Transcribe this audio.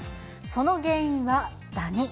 その原因はダニ。